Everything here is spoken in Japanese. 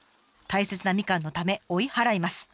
大切なみかんのため追い払います。